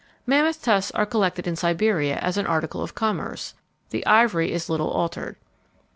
Mammoth tusks are collected in Siberia as an article of commerce. The ivory is little altered.